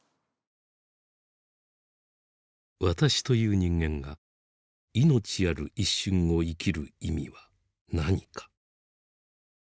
私という人間が命ある一瞬を生きる意味は何か。